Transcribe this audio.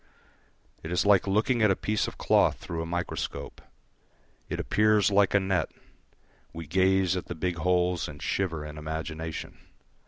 It is like looking at a piece of cloth through a microscope. It appears like a net; we gaze at the big holes and shiver in imagination.